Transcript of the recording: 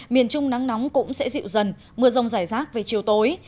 miền trung nắng nóng cũng sẽ dịu dần mưa rông rải rác về chiều tối